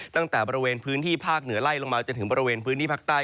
ตั้งแต่บริเวณพื้นที่ภาคเหนือไล่ลงมาจนถึงบริเวณพื้นที่ภาคใต้